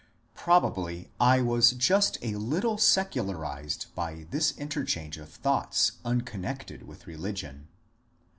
Probably I was just a little secularized by this interchange of thoughts unconnected with religion.